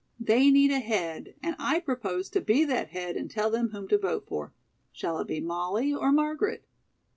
They need a head, and I propose to be that head and tell them whom to vote for. Shall it be Molly or Margaret?"